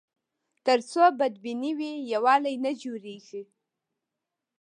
تر څو بدبیني وي، یووالی نه جوړېږي.